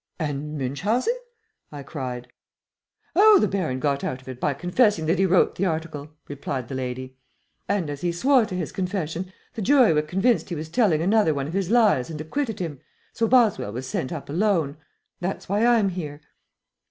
"And Munchausen?" I cried. "Oh, the Baron got out of it by confessing that he wrote the article," replied the lady. "And as he swore to his confession the jury were convinced he was telling another one of his lies and acquitted him, so Boswell was sent up alone. That's why I am here.